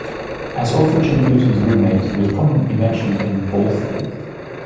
As author Jim Bouton's roommate, he was prominently mentioned in "Ball Four".